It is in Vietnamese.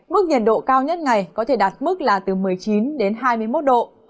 mức nhiệt độ cao nhất ngày có thể đạt mức là từ một mươi chín đến hai mươi một độ